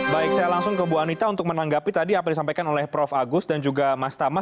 baik saya langsung ke bu anita untuk menanggapi tadi apa disampaikan oleh prof agus dan juga mas tama